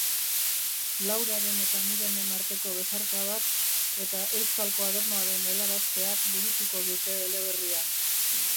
Lauraren eta Mirenen arteko besarkadak eta euskal koadernoaren helarazteak burutuko dute eleberria.